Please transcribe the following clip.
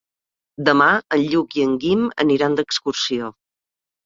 Demà en Lluc i en Guim aniran d'excursió.